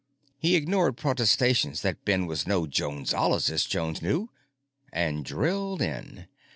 He ignored protestations that Ben was no Jonesologist, Jones knew, and drilled in.